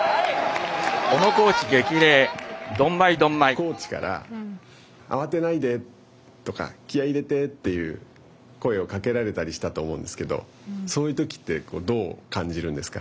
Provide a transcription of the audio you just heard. コーチから慌てないでとか気合い入れてっていう声をかけられたりしたと思うんですけどそういうときってどう感じるんですか。